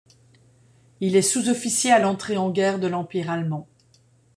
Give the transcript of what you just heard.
Il est sous-officier à l'entrée en guerre de l'Empire allemand.